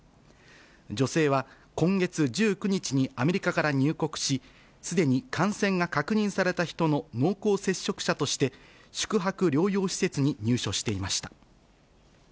女性は、今月１９日にアメリカから入国し、すでに感染が確認された人の濃厚接触者として、宿泊療養施設に入所していました。